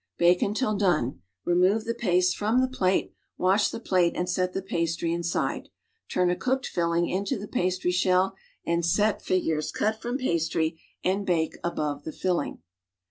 Hake until done. Remove the paste from the plate, wash the plate and set the pastry inside. Turn a eooked tillinp: into the pastry shell and set figures, cut from pastry and baked, above the filling.